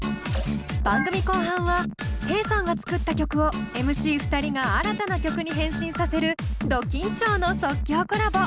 番組後半はテイさんが作った曲をＭＣ２人が新たな曲に変身させるど緊張の即興コラボ！